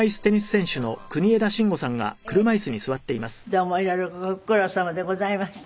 どうもいろいろご苦労さまでございました。